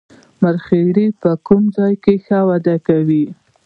مرخیړي په کوم ځای کې ښه وده کوي